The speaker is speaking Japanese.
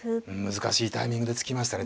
難しいタイミングで突きましたね。